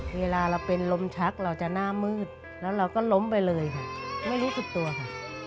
เวลาเราเป็นลมชักเราจะหน้ามืดแล้วเราก็ล้มไปเลยค่ะไม่รู้สึกตัวค่ะ